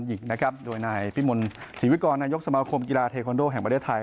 หญิงนะครับโดยนายพิมลศรีวิกรนายกสมาคมกีฬาเทคอนโดแห่งประเทศไทย